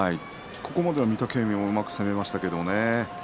ここまでのあたりは御嶽海がうまく攻めましたね。